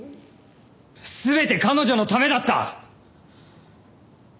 全て彼女のためだった！